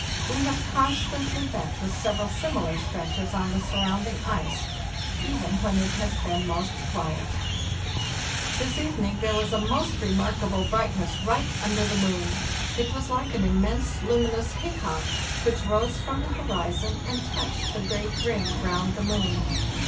We have constantly met with several similar stretches on the surrounding ice, even when it has been most quiet. THE NEW VEAR, 18095 65 "This evening there was a most remarkable bright ness right under the moon. It was like an immense luminous haycock, which rose from the horizon and touched the great ring round the moon.